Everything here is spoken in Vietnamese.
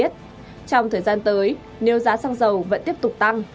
trong thời gian tới nếu giá xăng dầu vẫn tiếp tục tăng